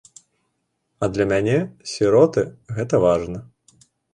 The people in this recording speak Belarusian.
А для мяне, сіроты, гэта важна.